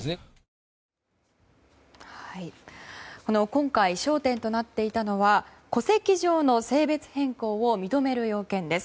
今回焦点となっていたのは戸籍上の性別変更を認める要件です。